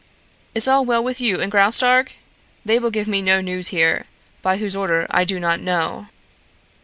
Is all well with you and Graustark? They will give me no news here, by whose order I do not know."